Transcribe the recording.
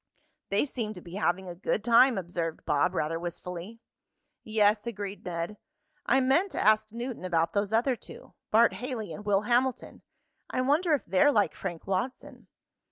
"They seem to be having a good time," observed Bob, rather wistfully. "Yes," agreed Ned. "I meant to ask Newton about those other two Bart Haley and Will Hamilton. I wonder if they're like Frank Watson?"